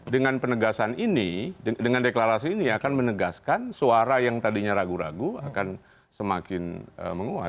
dengan penegasan ini dengan deklarasi ini akan menegaskan suara yang tadinya ragu ragu akan semakin menguat